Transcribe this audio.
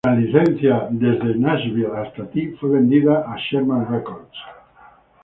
La licencia de From Nashville to you fue vendida a Sherman Records.